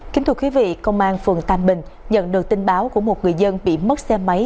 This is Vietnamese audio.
kính thưa quý vị công an phường tàm bình nhận được tin báo của một người dân bị mất xe máy